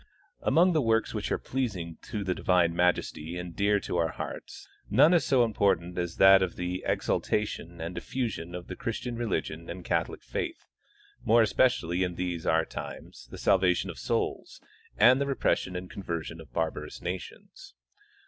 Among the works which are pleasing to the divine Majesty and dear to our hearts, none is so important as that of the ex altation and diffusion of the Christian religion and Catholic faith, more especially in these our times, the salvation of souls, and the repression and conversion of barbarous nations.